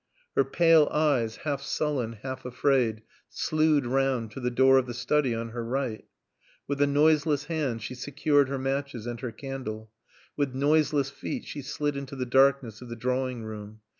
Her pale eyes, half sullen, half afraid, slewed round to the door of the study on her right. With a noiseless hand she secured her matches and her candle. With noiseless feet she slid into the darkness of the drawing room.